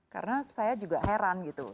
karena saya juga heran gitu